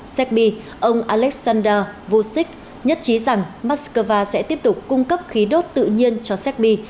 segbi ông alexander vucic nhất trí rằng moscow sẽ tiếp tục cung cấp khí đốt tự nhiên cho segbi